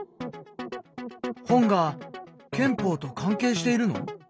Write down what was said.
本が憲法と関係しているの？